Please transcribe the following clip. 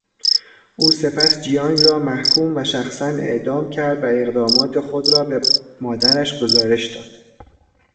او سپس جیانگ را محكوم و شخصاً اعدام كرد و اقدامات خود را به مادرش گزارش داد.